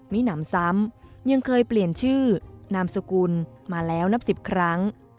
มีหนำซ้ำยังเคยเปลี่ยนชื่อนามสกุลมาแล้วนับ๑๐ครั้ง